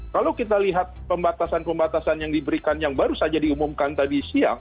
kalau kita lihat pembatasan pembatasan yang diberikan yang baru saja diumumkan tadi siang